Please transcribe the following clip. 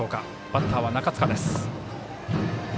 バッターは中塚です。